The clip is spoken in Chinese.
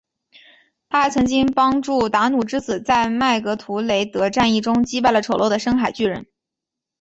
她还曾经帮助达努之子在麦格图雷德战役中击败了丑陋的深海巨人。